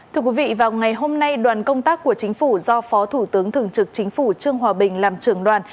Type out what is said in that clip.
thưa quý vị vào ngày hôm nay đoàn công tác của chính phủ do phó thủ tướng thường trực chính phủ trương hòa bình làm trưởng đoàn